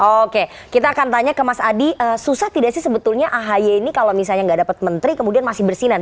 oke kita akan tanya ke mas adi susah tidak sih sebetulnya ahy ini kalau misalnya nggak dapat menteri kemudian masih bersinan